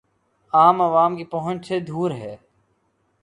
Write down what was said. عام عوام کی پہنچ سے دور ہے